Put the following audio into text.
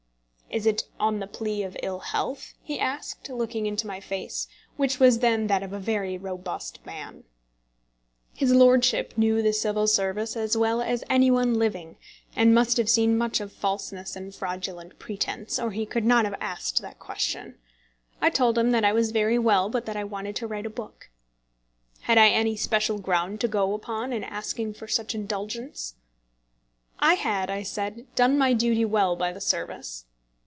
"Is it on the plea of ill health?" he asked, looking into my face, which was then that of a very robust man. His lordship knew the Civil Service as well as any one living, and must have seen much of falseness and fraudulent pretence, or he could not have asked that question. I told him that I was very well, but that I wanted to write a book. "Had I any special ground to go upon in asking for such indulgence?" I had, I said, done my duty well by the service.